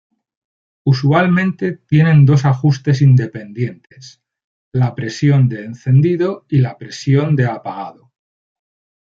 Usualmente tienen dos ajustes independientes: la presión de encendido y la presión de apagado.